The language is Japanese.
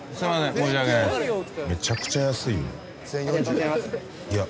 めちゃくちゃ安いよいや